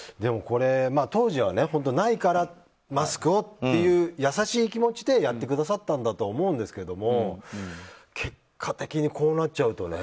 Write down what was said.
当時は、ないからマスクをという優しい気持ちでやってくださったんだと思うんですけど結果的にこうなっちゃうとね